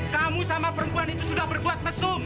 kamu sama perempuan itu sudah berbuat mesum